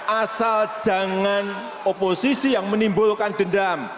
asal jangan oposisi yang menimbulkan dendam